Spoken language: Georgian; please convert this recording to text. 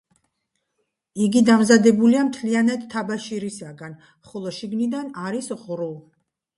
იგი დამზადებულია მთლიანად თაბაშირისაგან, ხოლო შიგნიდან არის ღრუ.